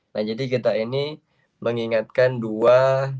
nah jadi kita ini mengingatkan dua